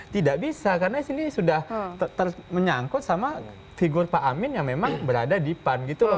tidak bisa karena ini sudah menyangkut sama figur pak amin yang memang berada di pan gitu loh